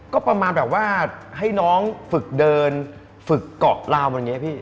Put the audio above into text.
ก็ประมาณแบบว่าให้น้องฝึกเดินฝึกเกาะลาวมันอย่างนี้พี่